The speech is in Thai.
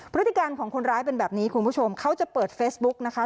พฤติการของคนร้ายเป็นแบบนี้คุณผู้ชมเขาจะเปิดเฟซบุ๊กนะคะ